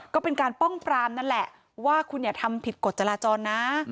ก็เป็นการป้องปรามนั่นแหละว่าคุณอย่าทำผิดกฎจราจรนะ